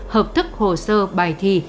hợp thức hồ sơ bài thi